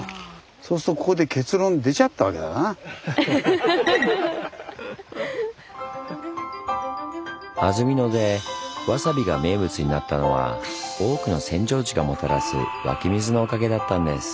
そうすると安曇野でわさびが名物になったのは多くの扇状地がもたらす湧き水のおかげだったんです。